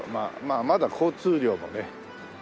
まだ交通量もね